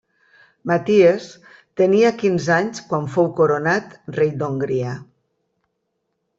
Maties tenia quinze anys quan fou coronat rei d'Hongria.